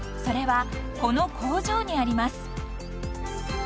それはこの工場にあります］